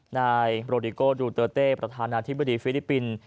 นายโรดิโกดูเตอร์เต้ประธานาธิบดีฟิลิปปินส์